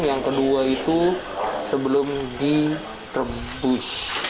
yang kedua itu sebelum di trebus